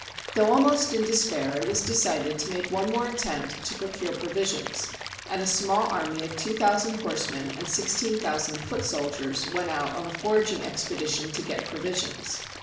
Though almost in despair, it was decided to make one more attempt to procure provisions ; and a small army of two thousand horsemen and sixteen thou sand foot soldiers went out on a foraging expedi tion to get provisions.